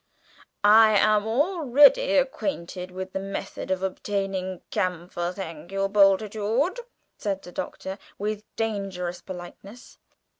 "I am already acquainted with the method of obtaining camphor, thank you, Bultitude," said the Doctor, with dangerous politeness.